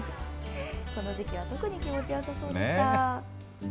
この時期は特に気持ちよさそうでした。